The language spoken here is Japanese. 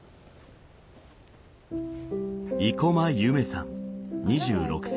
生駒夢さん２６歳。